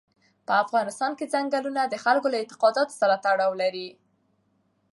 په افغانستان کې چنګلونه د خلکو د اعتقاداتو سره تړاو لري.